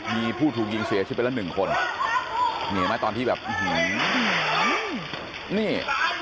มีผู้ถูกยิงเสียชีวิตไปละหนึ่งคนเห็นไหมตอนที่แบบอื้อหือนี่